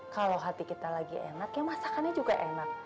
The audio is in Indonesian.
kalau hati kita lagi enak ya masakannya juga enak